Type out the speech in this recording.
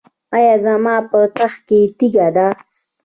ایا زما په تخه کې تیږه ده؟